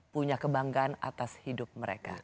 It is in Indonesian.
punya kebanggaan atas hidup mereka